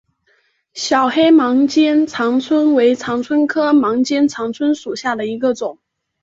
小黑毛肩长蝽为长蝽科毛肩长蝽属下的一个种。